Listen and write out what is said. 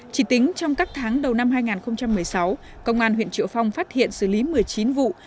chỉ tính trong các tháng đầu năm hai nghìn một mươi sáu công an huyện triệu phong phát hiện xử lý một mươi chín vụ